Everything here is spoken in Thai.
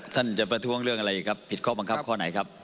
ท่านจะประท้วงเรื่องอะไรครับผิดข้อบังคับข้อไหนครับ